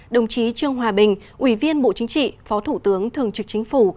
đồng chí trương hòa bình ủy viên bộ chính trị phó thủ tướng thường trực chính phủ